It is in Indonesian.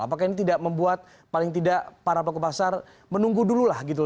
apakah ini tidak membuat paling tidak para pelaku pasar menunggu dulu lah gitu